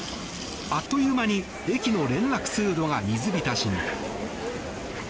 あっという間に駅の連絡通路が水浸しに。